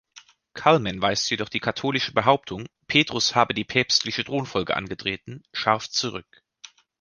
Cullmann weist jedoch die katholische Behauptung, Petrus habe die päpstliche Thronfolge angetreten, scharf zurück.